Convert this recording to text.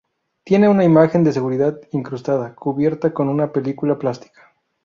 Tiene una imagen de seguridad incrustada, cubierta con una película plástica.